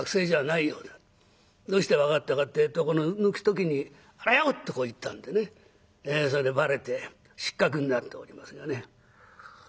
どうして分かったかってえとこの抜く時に「あらよ！」とこう言ったんでねそれでバレて失格になっておりますがね。